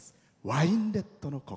「ワインレッドの心」。